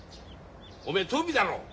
おめえトビだろ。